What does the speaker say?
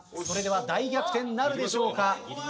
それでは大逆転なるでしょうか？